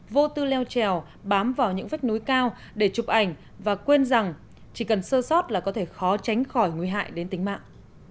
vô tư leo trèo bám vào những vách núi cao để chụp ảnh và quên rằng chỉ cần sơ sót là có thể khó tránh khỏi nguy hại đến tính mạng